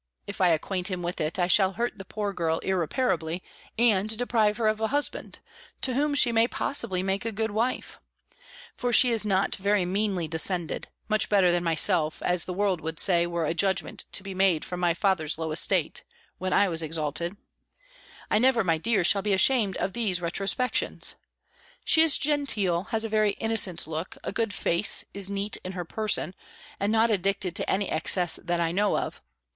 If I acquaint him with it, I shall hurt the poor girl irreparably, and deprive her of a husband, to whom she may possibly make a good wife For she is not very meanly descended much better than myself, as the world would say were a judgment to be made from my father's low estate, when I was exalted I never, my dear, shall be ashamed of these retrospections! She is genteel, has a very innocent look, a good face, is neat in her person, and not addicted to any excess that I know of.